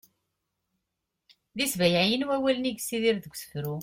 d isbayɛiyen wawalen i yessidir deg usefru